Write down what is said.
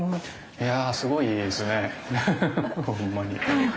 いやすごいですねほんまに。